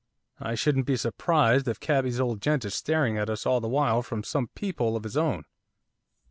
I shouldn't be surprised if cabby's old gent is staring at us all the while from some peephole of his own.